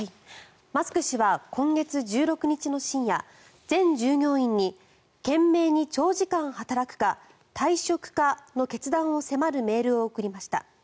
マスク氏は今月１６日の深夜全従業員に懸命に長時間働くか退職かの決断を迫るメールを送りました。